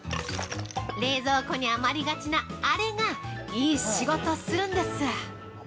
冷蔵庫に余りがちなあれがいい仕事するんです。